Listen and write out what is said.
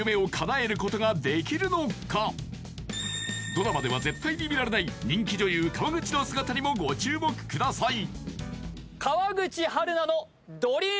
ドラマでは絶対に見られない人気女優・川口の姿にもご注目ください